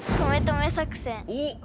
おっ！